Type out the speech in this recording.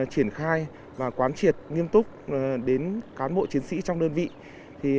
triển khai và quán triệt nghiêm túc đến cán bộ chiến sĩ trong đơn vị